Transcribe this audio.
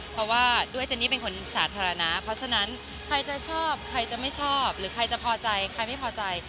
เพราะว่าด้วยเจนนี่เป็นคนสาธารณะเพราะฉะนั้นใครจะชอบใครจะไม่ชอบหรือใครจะพอใจใครไม่พอใจ